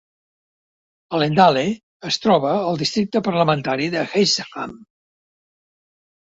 Allendale es troba al districte parlamentari de Hexham.